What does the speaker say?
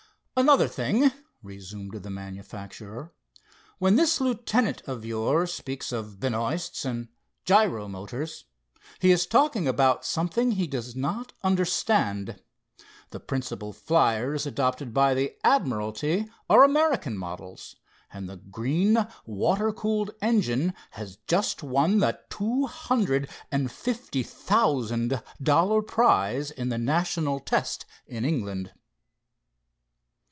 "Another thing," resumed the manufacturer, "when this lieutenant of yours speaks of Benoists and Gyro Motors, he is talking about something he does not understand. The principal flyers adopted by the admiralty are American models, and the Green water cooled engine has just won the two hundred and fifty thousand dollar prize in the national test in England."